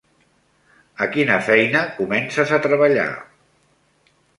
A quina feina comences a treballar?